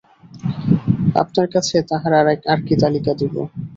আপনার কাছে তাহার আর কী তালিকা দিব।